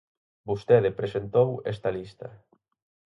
Vostede presentou esta lista.